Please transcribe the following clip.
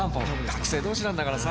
学生同士なんだからさ。